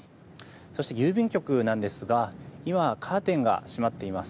そして郵便局なんですが今、カーテンが閉まっています。